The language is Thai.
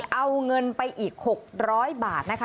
เอาเงินไปอีก๖๐๐บาทนะคะ